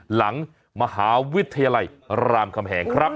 หลังมหาวิทยาลัยรามคำแหงครับ